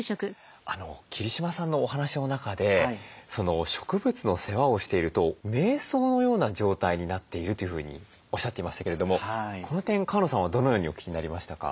桐島さんのお話の中で植物の世話をしているとめい想のような状態になっているというふうにおっしゃっていましたけれどもこの点川野さんはどのようにお聞きになりましたか？